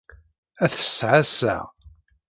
Ad s-t-ɛasseɣ.